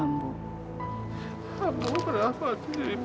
ambu kenapa sih